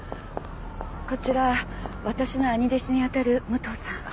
こちら私の兄弟子に当たる武藤さん。